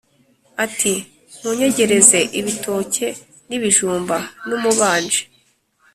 Ati: “Munyegereze ibitoke n’ibijumba n’umubanji